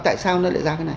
tại sao nó lại ra cái này